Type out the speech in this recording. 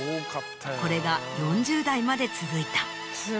これが４０代まで続いた。